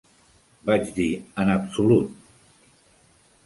Vaig dir "En absolut!"